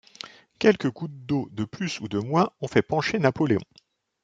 Quelques gouttes d’eau de plus ou de moins ont fait pencher Napoléon.